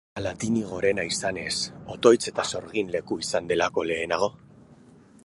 Ala tini gorena izanez, otoitz eta sorgin leku izan delako lehenago?